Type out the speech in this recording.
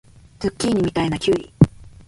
ズッキーニみたいなきゅうり